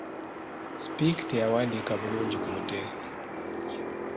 Speke teyawandiika bulungi ku Muteesa.